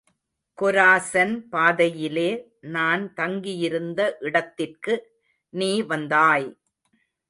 கொராசன் பாதையிலே, நான் தங்கியிருந்த இடத்திற்கு நீ வந்தாய்!